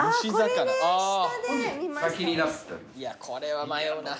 いやこれは迷うな。